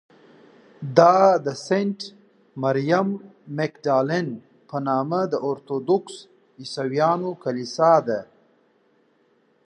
دا د سینټ مریم مګدالین په نامه د ارټوډکس عیسویانو کلیسا ده.